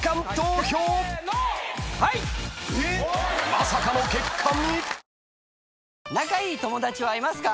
［まさかの結果に］